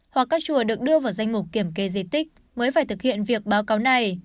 hoặc các chùa được đưa vào danh mục kiểm kê di tích mới phải thực hiện việc báo cáo này